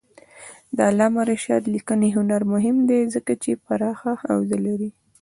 د علامه رشاد لیکنی هنر مهم دی ځکه چې پراخه حوزه لري.